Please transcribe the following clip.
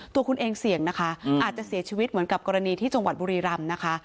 ตัวคุณเองเสี่ยงนะคะอาจจะเสียชีวิตเหมือนกับกรณีที่จังหวัดบุรีรำนะคะ